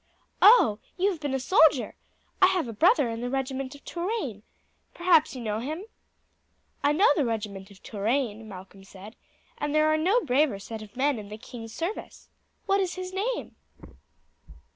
"Oh, you have been a soldier! I have a brother in the regiment of Touraine. Perhaps you know him?" "I know the regiment of Touraine," Malcolm said; "and there are no braver set of men in the king's service. What is his name?"